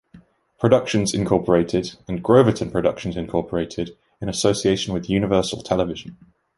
Productions, Incorporated and Groverton Productions, Incorporated in association with Universal Television.